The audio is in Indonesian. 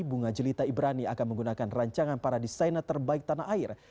bunga jelita ibrani akan menggunakan rancangan para desainer terbaik tanah air